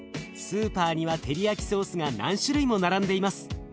スーパーにはテリヤキソースが何種類も並んでいます。